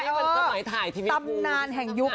นี่เป็นสมัยถ่ายทีมีคู่ตำนานแห่งยุค๙๐